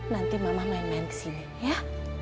nanti mama main main kesini ya